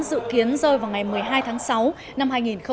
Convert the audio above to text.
dự kiến rơi vào ngày một mươi hai tháng sáu năm hai nghìn một mươi chín